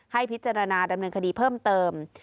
ให้พิจารณาดำเนินคดีเพิ่มเติม